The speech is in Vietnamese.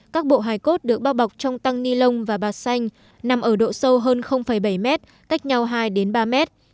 các bộ hài cốt được bao bọc trong tăng ni lông và bạt xanh nằm ở độ sâu hơn bảy mét cách nhau hai ba mét